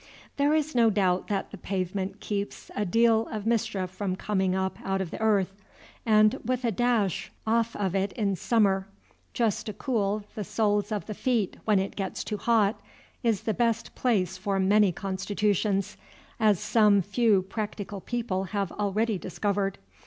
There is no doubt that the pavement keeps a deal of mischief from coming up out of the earth, and, with a dash off of it in summer, just to cool the soles of the feet when it gets too hot, is the best place for many constitutions, as some few practical people have already discovered.